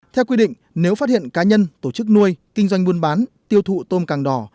theo quy định nếu phát hiện cá nhân tổ chức nuôi kinh doanh buôn bán tiêu thụ tôm càng đỏ